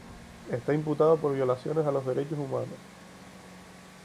Está imputado por violaciones a los derechos humanos.